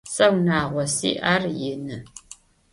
Сэ унагъо сиӏ, ар ины.